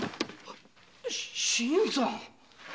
新さん？